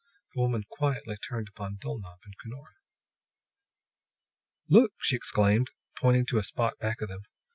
The woman quietly turned upon Dulnop and Cunora. "Look!" she exclaimed, pointing to a spot back of them.